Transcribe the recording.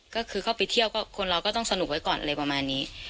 ก็คือเข้าไปเที่ยวก็คนเราก็ต้องสนุกไว้ก่อนอะไรประมาณนี้